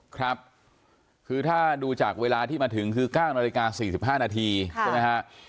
ครับคือถ้าดูจากเวลาที่มาถึงคือ๙นาฬิกา๔๕นาทีใช่ไหมฮะ